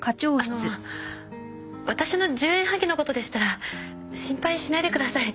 私の１０円ハゲのことでしたら心配しないでください。